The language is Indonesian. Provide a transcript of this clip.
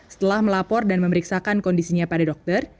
setelah melapor dan memeriksakan kondisinya pada dokter